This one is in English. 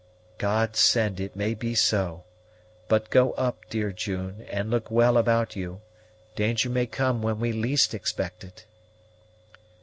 "God send it may be so! but go up, dear June, and look well about you. Danger may come when we least expect it."